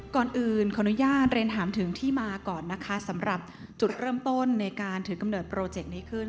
ก่อนอื่นขออนุญาตเรียนถามถึงที่มาก่อนนะคะสำหรับจุดเริ่มต้นในการถือกำเนิดโปรเจกต์นี้ขึ้น